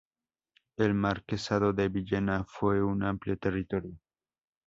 El Marquesado de Villena fue un amplio territorio.